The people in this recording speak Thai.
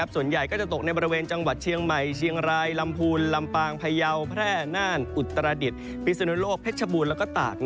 ส่วนใหญ่ก็จะตกในบริเวณจังหวัดเชียงใหม่เชียงรายลำพูนลำปางพยาวแพร่น่านอุตรดิษฐ์พิศนุโลกเพชรบูรณ์แล้วก็ตาก